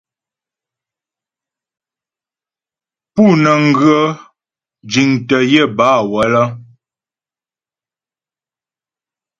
Pú nə́ŋ ghə jiŋtə́ yə bâ wələ.